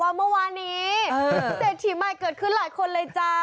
เมื่อวานนี้เศรษฐีใหม่เกิดขึ้นหลายคนเลยจ้า